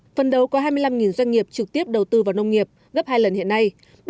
phần đầu có hai mươi năm doanh nghiệp trực tiếp đầu tư vào nông nghiệp gấp hai lần hiện nay